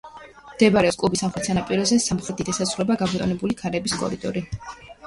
მდებარეობს კუბის სამხრეთ სანაპიროზე, სამხრეთით ესაზღვრება გაბატონებული ქარების კორიდორი.